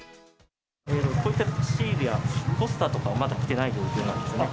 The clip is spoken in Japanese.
こういったシールやポスターとかがまだ来てない状況なんですよね。